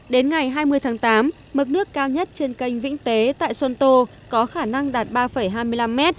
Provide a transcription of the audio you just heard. đến ngày hai mươi tháng tám mực nước cao nhất trên kênh vĩnh tế tại xuân tô có khả năng đạt ba hai mươi năm m